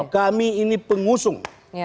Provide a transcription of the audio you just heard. kami ini pengusung